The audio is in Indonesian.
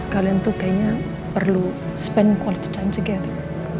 kalian tuh kayaknya perlu spend quality time together